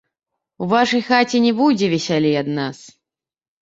У вашай хаце не будзе весялей ад нас!